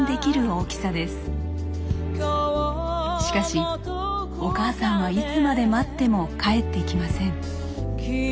しかしお母さんはいつまで待っても帰ってきません。